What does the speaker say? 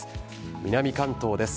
南関東です。